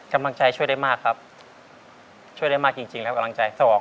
กำลังใจช่วยได้มากครับช่วยได้มากจริงจริงแล้วกำลังใจสอง